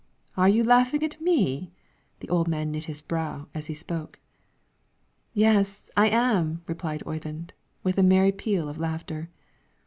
"Are you laughing at me!" The old man knit his brow, as he spoke. "Yes, I am," replied Oyvind, with a merry peal of laughter.